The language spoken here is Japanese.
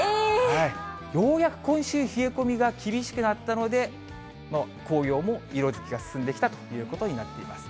ようやく今週、冷え込みが厳しくなったので、紅葉も色づきが進んできたということになっています。